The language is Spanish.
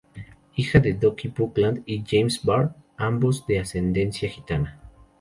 Hija de Dolly Buckland y James Barr, ambos de ascendencia gitana.